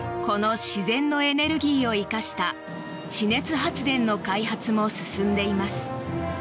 この自然のエネルギーを生かした地熱発電の開発も進んでいます。